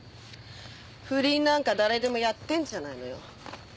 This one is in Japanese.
不倫なんか誰でもやってんじゃないのよ。